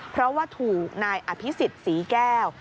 เพราะว่าถูกนายอภิษฎศรีแก้ว